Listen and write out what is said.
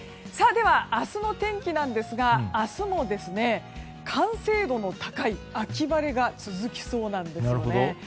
明日の天気ですが明日も、完成度の高い秋晴れが続きそうなんです。